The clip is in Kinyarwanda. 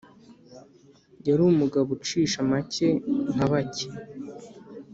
yari umugabo ucisha make nka bake